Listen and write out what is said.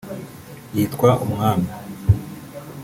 yitwa umwami